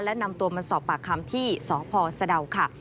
และนำตัวมาสอบปากคำที่สพสะดาวค่ะ